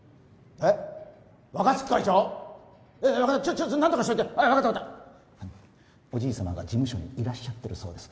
えっ分かったちょっ何とかしといてはい分かった分かったおじい様が事務所にいらっしゃってるそうです